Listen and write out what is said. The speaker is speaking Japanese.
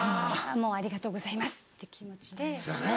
もうありがとうございますって気持ちで。